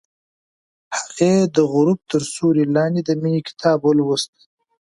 هغې د غروب تر سیوري لاندې د مینې کتاب ولوست.